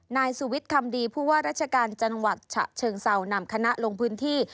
นายสุวิทย์คำดีผู้ว่าราชการจังหวัดฉะเชิงเซานำคณะลงพื้นที่